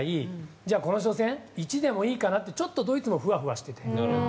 じゃあこの初戦１でもいいかなってちょっとドイツもふわふわしている。